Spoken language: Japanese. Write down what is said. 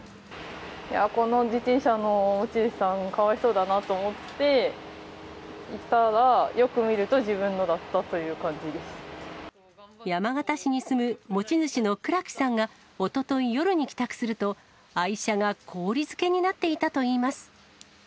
この自転車の持ち主さん、かわいそうだなと思っていたら、よく見ると自分のだったっていう山形市に住む持ち主の久良木さんがおととい夜に帰宅すると、愛車が氷漬けになっていたといいます。